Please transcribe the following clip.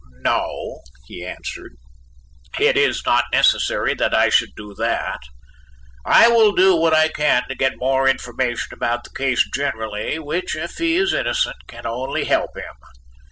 "No," he answered, "it is not necessary that I should do that. I will do what I can to get more information about the case generally, which, if he is innocent, can only help him."